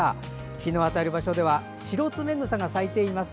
日の当たる場所ではシロツメグサが咲いています。